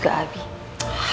gak usah banyak ngomong kamu